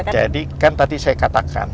jadi kan tadi saya katakan